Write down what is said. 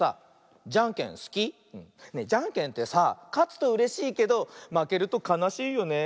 じゃんけんってさかつとうれしいけどまけるとかなしいよね。